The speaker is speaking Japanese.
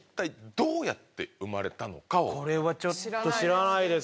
これはちょっと知らないです。